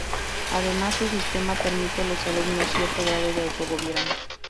Además, su sistema permite a los alumnos cierto grado de autogobierno.